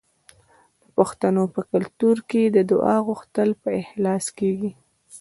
د پښتنو په کلتور کې د دعا غوښتل په اخلاص کیږي.